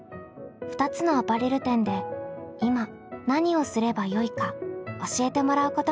２つのアパレル店で今何をすればよいか教えてもらうことができました。